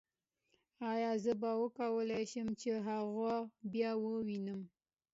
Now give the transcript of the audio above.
ایا زه به وکولای شم چې هغه بیا ووینم